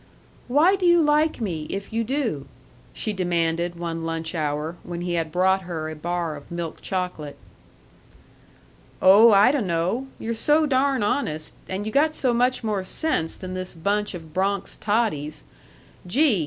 "Why do you like me if you do?" she demanded one lunch hour, when he had brought her a bar of milk chocolate. "Oh, I dun'no'; you're so darn honest, and you got so much more sense than this bunch of Bronx totties. Gee!